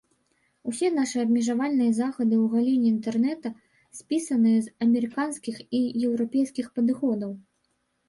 Усе нашыя абмежавальныя захады ў галіне інтэрнэта спісаныя з амерыканскіх і еўрапейскіх падыходаў.